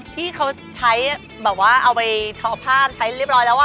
ที่เขาใช้แบบว่าเอาไปทอผ้าใช้เรียบร้อยแล้ว